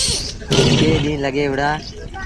ڪئيٚن ڏيٚݩهݩ لڳي وُهڙآ۔